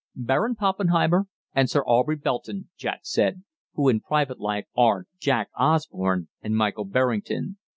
"'Baron Poppenheimer' and 'Sir Aubrey Belston,'" Jack said, "who in private life are Jack Osborne and Michael Berrington.